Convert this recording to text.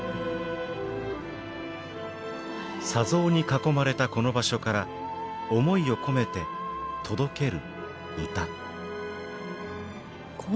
砂像に囲まれたこの場所から思いを込めて届ける歌。